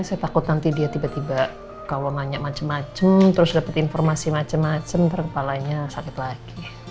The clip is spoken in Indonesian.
saya takut nanti dia tiba tiba gw nganyak macem macem terus dapet informasi macem macem nanti kepalanya sakit lagi